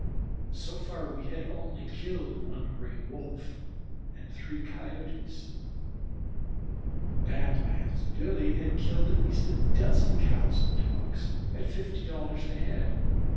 So far we had killed only one Gray wolf and three Coyotes; Badlands Billy had killed at least a dozen Cows and Dogs at fifty dollars a head.